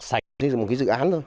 có thể dùng một cái dự án thôi